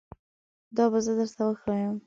دا به زه درته وښایم